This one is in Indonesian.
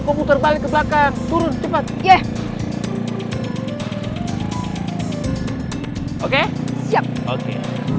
komputer balik ke belakang turun cepat ya oke siap oke